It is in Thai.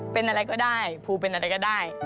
เป็นอะไรก็ได้ภูเป็นอะไรก็ได้